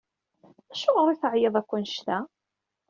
Acuɣer i teɛyiḍ akk anect-a?